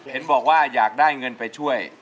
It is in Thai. เห็นบอกว่าอยากได้เงินไปช่วย